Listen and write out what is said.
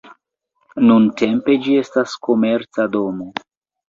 Nuntempe ĝi estas komerca domo.